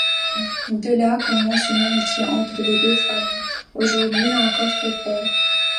De là, commence une amitié entre les deux familles, aujourd'hui encore très forte.